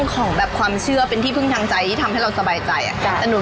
ก็คือเราอยากได้ยอดเท่านี้นะอะไรอย่างนี้